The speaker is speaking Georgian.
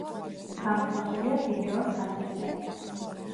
გამოსახულია ბრინჯაოს თასებზე.